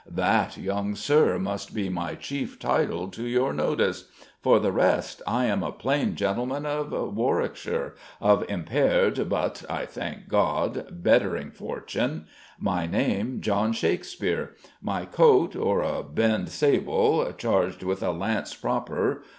"That, young Sir, must be my chief title to your notice. For the rest, I am a plain gentleman of Warwickshire, of impaired but (I thank God) bettering fortune; my name John Shakespeare; my coat, or, a bend sable, charged with a lance proper.